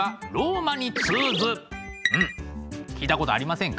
うん聞いたことありませんか？